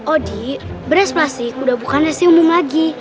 odi beras plastik udah bukan nasi umum lagi